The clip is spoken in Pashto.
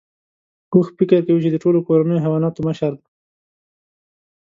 اوښ فکر کوي چې د ټولو کورنیو حیواناتو مشر دی.